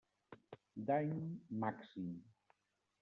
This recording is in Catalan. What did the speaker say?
Dany Màxim: